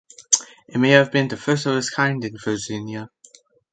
It may have been the first of its kind in Virginia.